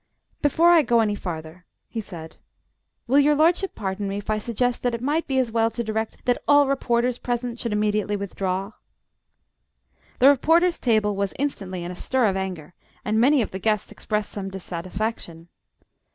"Before I go any farther," he said, "will your lordship pardon me if I suggest that it might be as well to direct that all reporters present should immediately withdraw?" The reporters' table was instantly in a stir of anger, and many of the guests expressed some dissatisfaction.